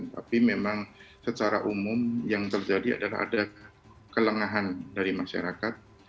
tapi memang secara umum yang terjadi adalah ada kelengahan dari masyarakat